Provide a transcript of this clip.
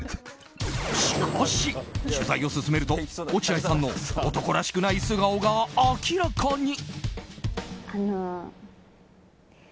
しかし取材を進めると落合さんの男らしくない素顔が明らかに。